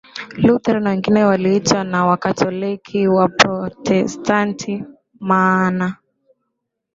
Luther na wengineo waliitwa na Wakatoliki Waprotestanti maana